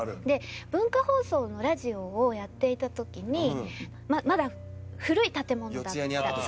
で文化放送のラジオをやっていた時にまだ古い建物だった。